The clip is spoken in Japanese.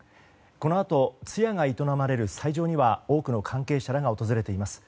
このあと通夜が営まれる斎場には多くの関係者らが訪れています。